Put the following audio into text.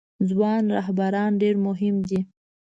ځوان رهبران ډیر مهم دي